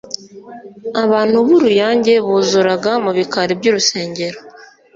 Abantu b'uruiyange buzuraga mu bikari by'urusengero,